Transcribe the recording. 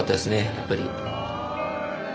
やっぱり。